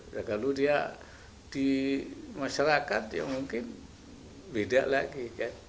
lalu di masyarakat mungkin beda lagi